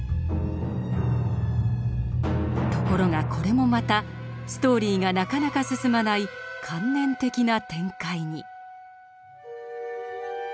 ところがこれもまたストーリーがなかなか進まない観念的な展開に。